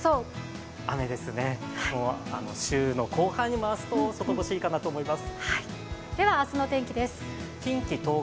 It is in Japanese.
２雨ですね、週の後半に回すと外干しいいかなと思います。